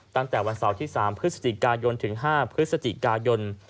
ตั้งแต่วันเสาร์ที่๓พฤศจิกายนถึง๕พฤศจิกายน